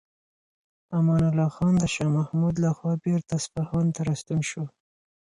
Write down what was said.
امان الله خان د شاه محمود لخوا بیرته اصفهان ته راستون شو.